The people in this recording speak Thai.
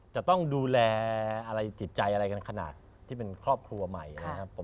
จะต้องดูแลอะไรจิตใจอะไรกันขนาดที่เป็นครอบครัวใหม่นะครับ